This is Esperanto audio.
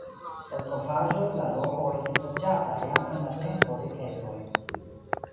Laŭ trovaĵoj la loko estis loĝata jam en la tempo de keltoj.